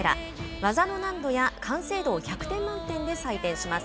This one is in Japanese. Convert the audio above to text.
技の難度や完成度を１００点満点で採点します。